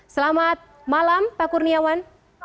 selamat malam pak kurniawan